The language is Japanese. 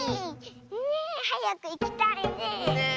ねえはやくいきたいねえ。